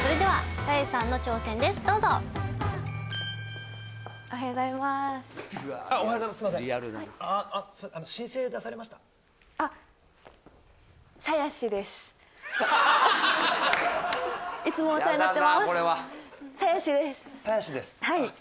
はい。